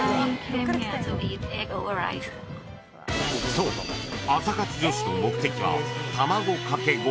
［そう朝活女子の目的は］